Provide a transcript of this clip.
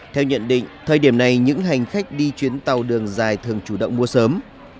theo nhận định thời điểm này những hành khách đi chuyến tàu đường dài thường chủ động mua sớm